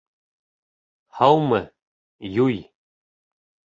— Һаумы, Юй!